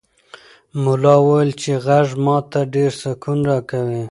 ملا وویل چې غږ ماته ډېر سکون راکوي.